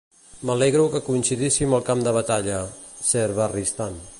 M'alegro que coincidíssim al camp de batalla, Ser Barristan.